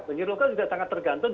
benih lokal juga sangat tergantung